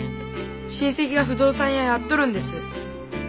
親戚が不動産屋やっとるんです。